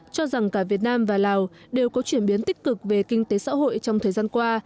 cho rằng cả việt nam và lào đều có chuyển biến tích cực về kinh tế xã hội trong thời gian qua